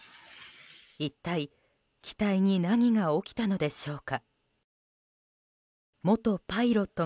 一体、機体に何が起きたのでしょうか。